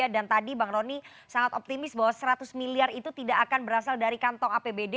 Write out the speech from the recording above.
dan tadi bang rony sangat optimis bahwa seratus miliar itu tidak akan berasal dari kantong apbd